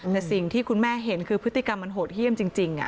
แต่สิ่งที่คุณแม่เห็นคือพฤติกรรมมันโหดเยี่ยมจริง